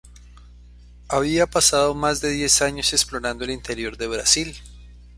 Había pasado más de diez años explorando el interior de Brasil.